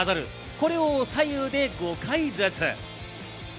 これを左右で５回ずつ。